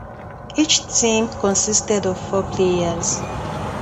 Each team consisted of four players.